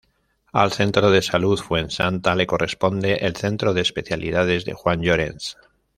Al Centro de Salud Fuensanta le corresponde el Centro de Especialidades de Juan Llorens.